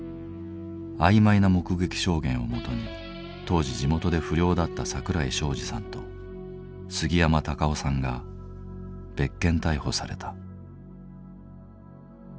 曖昧な目撃証言をもとに当時地元で不良だった桜井昌司さんと杉山卓男さんが別件逮捕された。